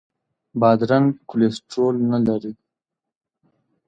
بادرنګ کولیسټرول نه لري.